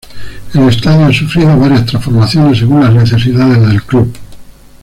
El estadio ha sufrido varias transformaciones según la necesidades del club.